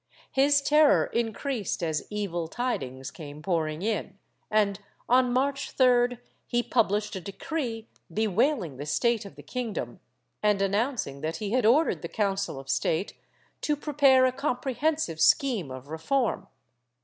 His terror increased as evil tidings came pouring in, and on March 3d he published a decree bewailing the state of the kingdom, and announcing that he had ordered the Council of State to prepare a comprehensive scheme of reform.